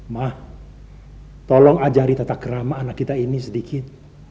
ma tolong ajari tata kerama anak kita ini sedikit